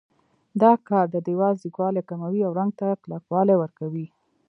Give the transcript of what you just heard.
دا کار د دېوال ځیږوالی کموي او رنګ ته کلکوالی ورکوي.